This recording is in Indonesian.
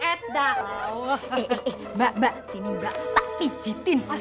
eh eh eh mbak mbak sini mbak mbak pijetin